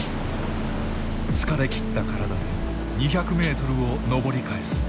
疲れきった体で２００メートルを登り返す。